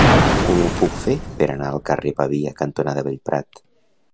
Com ho puc fer per anar al carrer Pavia cantonada Bellprat?